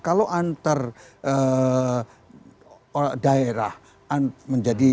kalau antar daerah menjadi